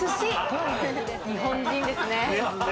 日本人ですね。